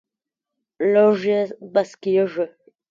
لږ یې بس کیږي.